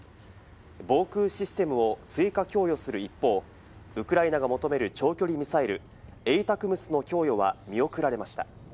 防空システムを追加供与する一方、ウクライナが求める長距離ミサイル＝ＡＴＡＣＭＳの供与は見送られました。